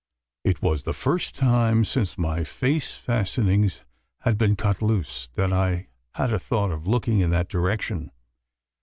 It was the first time since my face fastenings had been cut loose, that I had a thought of looking in that direction.